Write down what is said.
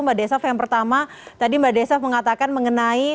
mbak desaf yang pertama tadi mbak desaf mengatakan mengenai